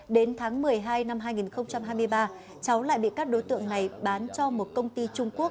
đến tháng một mươi hai năm hai nghìn hai mươi ba cháu lại bị các đối tượng này bán cho một công ty trung quốc